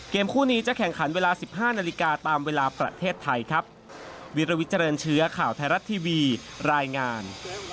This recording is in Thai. คู่นี้จะแข่งขันเวลา๑๕นาฬิกาตามเวลาประเทศไทยครับ